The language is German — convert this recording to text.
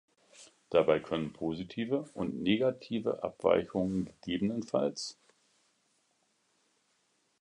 Dabei können positive und negative Abweichungen ggf.